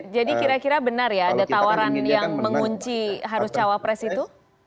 jadi kira kira benar ya ada tawaran yang mengunci harus cawapres itu